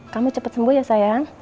kami cepat sembuh ya sayang